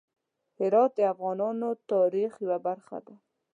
هرات د افغانانو د تاریخ یوه برخه ده.